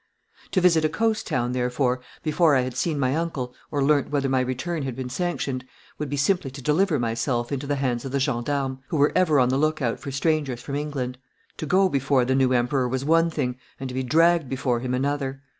To visit a coast town, therefore, before I had seen my uncle, or learnt whether my return had been sanctioned, would be simply to deliver myself into the hands of the gens d'armes, who were ever on the look out for strangers from England. To go before the new Emperor was one thing and to be dragged before him another.